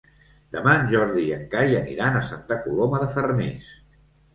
Demà en Jordi i en Cai aniran a Santa Coloma de Farners.